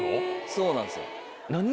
そうなんですよ。